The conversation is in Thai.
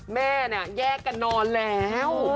แม่เนี่ยแยกกันนอนแล้ว